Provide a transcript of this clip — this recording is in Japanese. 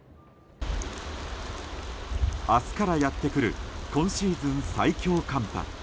明日からやってくる今シーズン最強寒波。